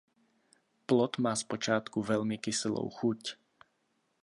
Plod má zpočátku velmi kyselou chuť.